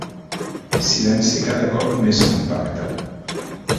Silenci cada cop més compacte.